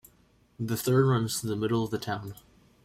The Thur runs through the middle of the town.